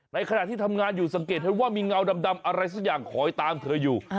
ในขณะที่ทำงานอยู่สังเกตเห็นว่ามีเงาดำอะไรสักอย่างคอยตามเธออยู่